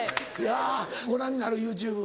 ご覧になる？ＹｏｕＴｕｂｅ。